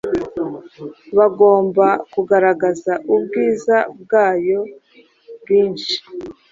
bagomba kugaragaza ubwiza bwayo bwinci.